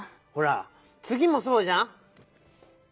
ほらつぎもそうじゃん。